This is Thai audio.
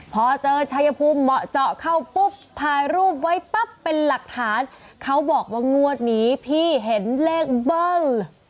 พอเจอชายภูมิเหมาะเจาะเข้าปุ๊บถ่ายรูปไว้ปั๊บเป็นหลักฐานเขาบอกว่างวดนี้พี่เห็นเลขเบอร์